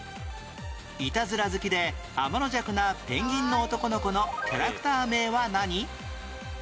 いたずら好きであまのじゃくなペンギンの男の子のキャラクター名は何？